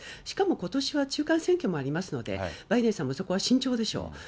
しかもことしは中間選挙もありますので、バイデンさんもそこは慎重でしょう。